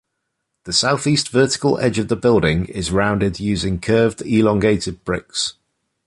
The southeast vertical edge of the building is rounded using curved, elongated bricks.